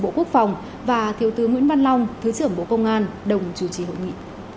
bộ quốc phòng và thiếu tướng nguyễn văn long thứ trưởng bộ công an đồng chủ trì hội nghị